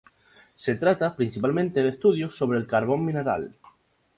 Se trata principalmente de estudios sobre el carbón mineral.